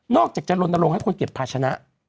อกจากจะลนลงให้คนเก็บภาชนะ